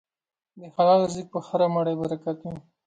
د حلال رزق په هره مړۍ برکت وي.